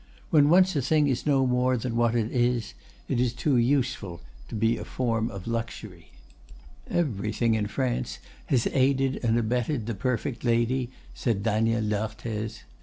When once a thing is no more than what it is, it is too useful to be a form of luxury." "Everything in France has aided and abetted the 'perfect lady,'" said Daniel d'Arthez.